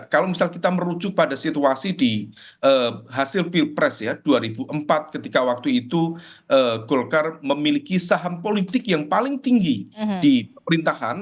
kalau misalnya kita merujuk pada situasi di hasil pilpres ya dua ribu empat ketika waktu itu golkar memiliki saham politik yang paling tinggi di perintahan